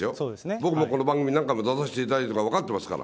僕もこの番組、何回も出させていただいて、分かってますから。